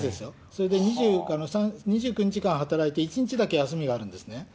それで２９日間働いて１日だけ休みがあるんですね。